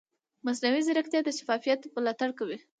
مصنوعي ځیرکتیا د شفافیت ملاتړ کوي.